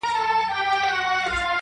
عظمت او عزت پورې مه تړه